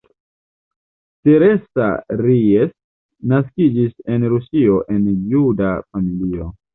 Teresa Ries naskiĝis en Rusio en juda familio.